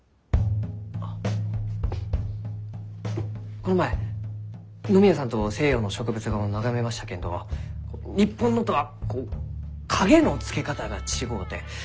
この前野宮さんと西洋の植物画を眺めましたけんど日本のとはこう影のつけ方が違うて。